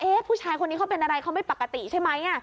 ผู้ชายคนนี้เขาเป็นอะไรเขาไม่ปกติใช่ไหม